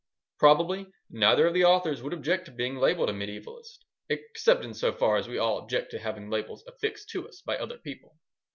Probably, neither of the authors would object to being labelled a mediaevalist, except in so far as we all object to having labels affixed to us by other people.